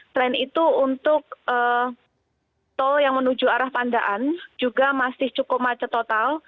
selain itu untuk tol yang menuju arah pandaan juga masih cukup macet total